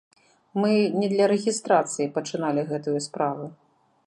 Мы не для рэгістрацыі пачыналі гэтую справу.